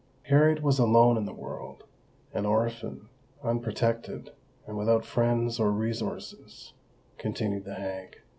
"Harriet was alone in the world—an orphan—unprotected—and without friends or resources," continued the hag.